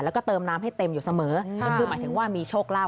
๒ล่าศีนะครับ